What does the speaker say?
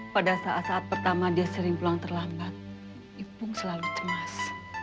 pada saat saat pertama dia sering pulang terlambat ipung selalu cemas